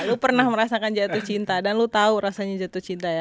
lu pernah merasakan jatuh cinta dan lo tau rasanya jatuh cinta ya